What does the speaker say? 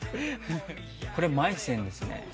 これマイセンですね。